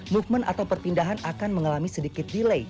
movement atau perpindahan akan mengalami sedikit delay